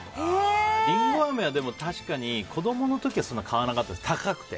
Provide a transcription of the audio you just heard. りんごあめは確かに子供の時は買わなかったです、高くて。